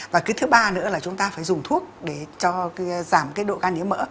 và thứ ba nữa là chúng ta phải dùng thuốc để giảm độ gan nhiễm mỡ